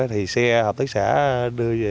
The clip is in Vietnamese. thì xe hợp tác xã đưa